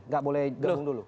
tidak boleh gemung dulu